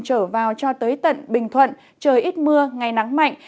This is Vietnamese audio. trở vào cho tới tận bình thuận trời ít mưa ngày nắng mạnh